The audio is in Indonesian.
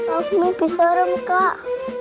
aku mimpi serem kak